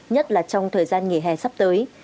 nhất là trong thời gian nghỉ hè sắp tới